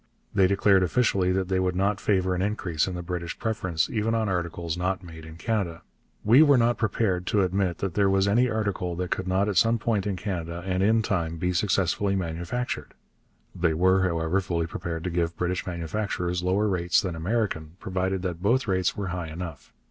They declared officially that they would not favour an increase in the British preference even on articles not made in Canada: 'we were not prepared to admit that there was any article that could not at some point in Canada, and in time, be successfully manufactured.' They were, however, fully prepared to give British manufacturers lower rates than American, provided that both rates were high enough.